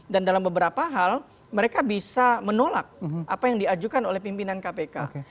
dan dalam beberapa hal mereka bisa menolak apa yang diajukan oleh pimpinan kpk